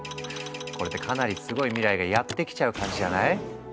これってかなりすごい未来がやって来ちゃう感じじゃない？